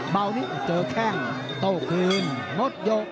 เบานี้เจอแข้งโต้คืนหมดยก